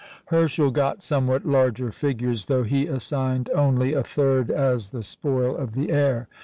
Herschel got somewhat larger figures, though he assigned only a third as the spoil of the air.